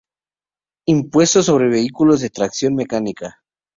Impuesto sobre Vehículos de Tracción Mecánica.